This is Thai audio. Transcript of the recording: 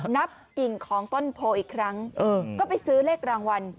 กิ่งของต้นโพอีกครั้งก็ไปซื้อเลขรางวัล